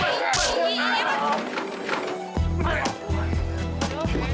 eh apaan ini